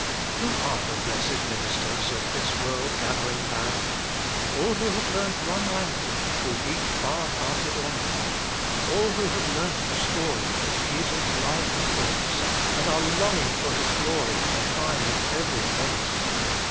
Who are the blessed ministers Of this world gathering band ? All who have learnt one language, Through each far parted land ; All who have learnt the story Of Jesu s love and grace, And are longing for His glory To shine in every face.